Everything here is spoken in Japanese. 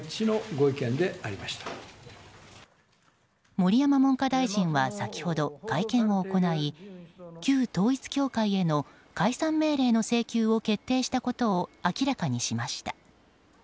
盛山文科大臣は先ほど、会見を行い旧統一教会への解散命令の請求を決定したことを明らかにしました。